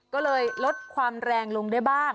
ก็เลยลดความแรงลงได้บ้าง